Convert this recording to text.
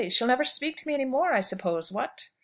She'll never speak to me any more, I suppose, what?"